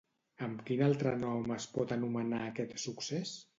Amb quin altre nom es pot anomenar aquest succés?